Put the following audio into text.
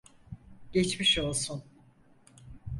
Geçmiş olsun.